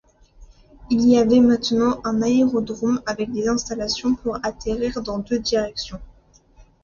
Il y avait maintenant un aérodrome avec des installations pour atterrir dans deux directions.